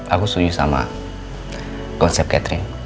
aku setuju sama konsep catering